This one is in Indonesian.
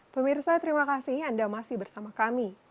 pemirsa terima kasih anda masih bersama kami